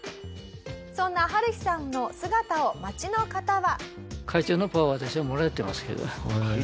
そんなハルヒさんの姿を町の方は。